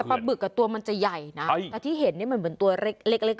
ปลาบึกตัวมันจะใหญ่นะแต่ที่เห็นนี่มันเหมือนตัวเล็ก